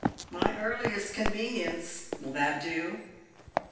My earliest convenience will that do?